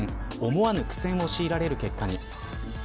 思わぬ苦戦を強いられる結果に。